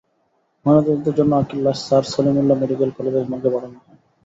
ময়নাতদন্তের জন্য আঁখির লাশ স্যার সলিমুল্লাহ মেডিকেল কলেজের মর্গে পাঠানো হয়।